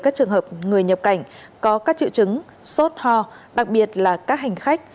các trường hợp người nhập cảnh có các triệu chứng sốt ho đặc biệt là các hành khách